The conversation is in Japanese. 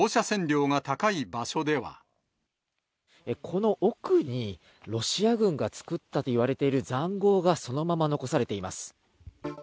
この奥に、ロシア軍がつくったといわれているざんごうが、そのまま残されています。